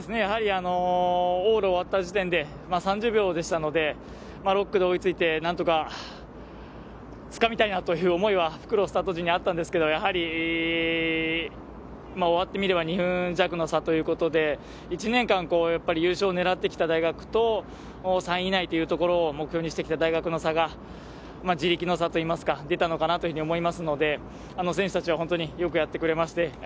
往路終わった時点で３０秒でしたので６区で追いついて、何とか掴みたいなという思いは復路スタート時にあったのですがやはり、終わってみれば２分弱の差ということで１年間優勝を狙ってきた大学と３位以内というところを目標にしてきた大学の差が地力の差と言いますか出たと思いますので、選手たちは本当によくやってくれました。